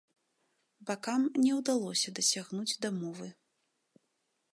Бакам не ўдалося дасягнуць дамовы.